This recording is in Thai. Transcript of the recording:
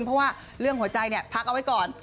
เพราะว่าเรื่องหัวใจเนี่ยพักเอาไว้ก่อน